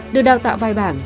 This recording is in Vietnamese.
được đào tạo vài bảng